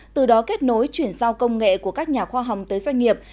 từ đó kết nối chuyển giao công nghệ của các nhà khoa học tới doanh nghiệp